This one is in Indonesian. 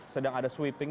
sedang ada sweeping